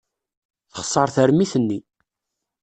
Texṣer tarmit-nni.